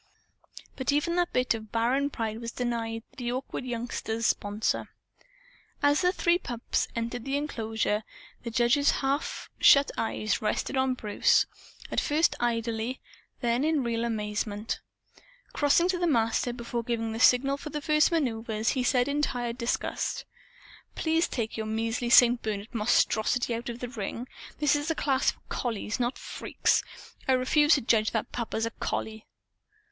But even that bit of barren pride was denied the awkward youngster's sponsor. As the three pups entered the enclosure, the judge's half shut eyes rested on Bruce at first idly, then in real amazement. Crossing to the Master, before giving the signal for the first maneuvers, he said in tired disgust "Please take your measly St. Bernard monstrosity out of the ring. This is a class for collies, not for freaks. I refuse to judge that pup as a collie."